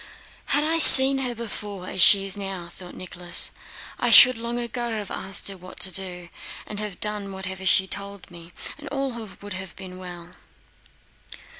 "Had I seen her before as she is now," thought Nicholas, "I should long ago have asked her what to do and have done whatever she told me, and all would have been well."